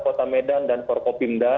kota medan dan korpopimda